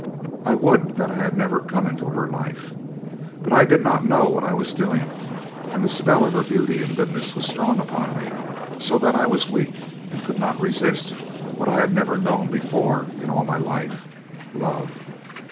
I would that I had never come into her life, but I did not know what I was doing; and the spell of her beauty and goodness was strong upon me, so that I was weak and could not resist what I had never known before in all my life—love."